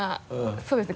そうですね